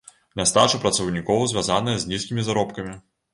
Нястача працаўнікоў звязаная з нізкімі заробкамі.